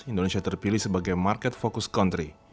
indonesia terpilih sebagai market fokus country